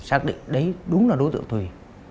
xác định đấy đúng là đối tượng thùy